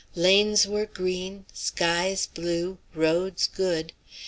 Lanes were green, skies blue, roads good.